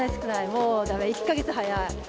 もう、だめ、１か月早い。